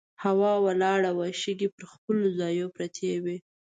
هوا ولاړه وه، شګې پر خپلو ځایونو پرتې وې.